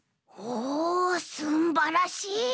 おおすんばらしい！